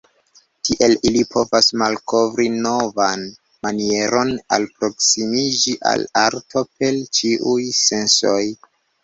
Tiele ili povas malkovri novan manieron alproksimiĝi al arto per ĉiuj sensoj.